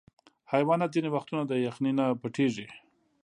حیوانات ځینې وختونه د یخني نه پټیږي.